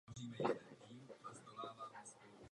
Zpívá a hraje na klávesy.